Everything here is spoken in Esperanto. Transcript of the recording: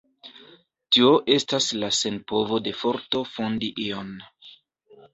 Tio estas la senpovo de forto fondi ion.